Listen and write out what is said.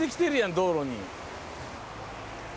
道路に。